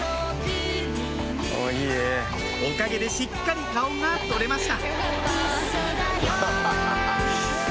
おかげでしっかり顔が撮れました